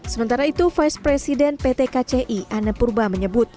sementara itu vice president pt kci anne purba menyebut